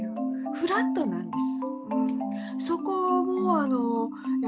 フラットなんです。